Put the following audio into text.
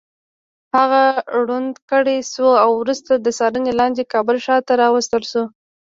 هغه ړوند کړی شو او وروسته د څارنې لاندې کابل ښار ته راوستل شو.